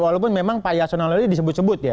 walaupun memang pak yasona lawli disebut sebut ya